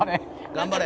「頑張れ！」